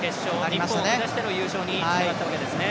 日本を下しての優勝につながったわけですね。